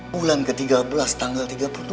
bulan ke tiga belas tanggal tiga puluh dua